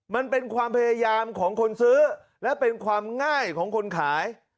มันเป็นความพยายามของคนซื้อและเป็นความง่ายของคนขาย